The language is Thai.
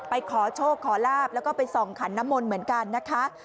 ขอโชคขอลาบแล้วก็ไปส่องขันน้ำมนต์เหมือนกันนะคะ